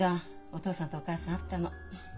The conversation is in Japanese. お父さんとお母さん会ったの。